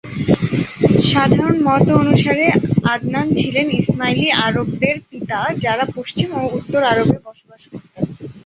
সাধারণ মত অনুসারে, আদনান ছিলেন ইসমাইলি আরবদের পিতা যারা পশ্চিম ও উত্তর আরবে বসবাস করতেন।